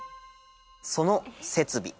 その設備